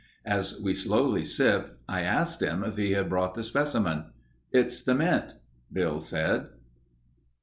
As we slowly sipped I asked him if he had brought the specimen. "It's the mint," Bill said.